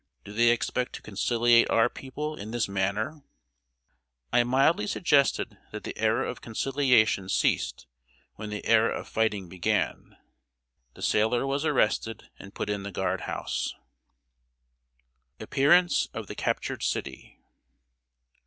Do they expect to conciliate our people in this manner?" I mildly suggested that the era of conciliation ceased when the era of fighting began. The sailor was arrested and put in the guard house. [Sidenote: APPEARANCE OF THE CAPTURED CITY.